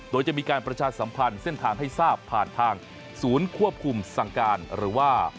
โดยจะมีการประชาสัมพันธ์เส้นทางให้ทราบผ่านทางศูนย์ควบคุมสั่งการหรือว่า